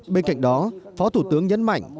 bên cạnh đó phó thủ tướng nhấn mạnh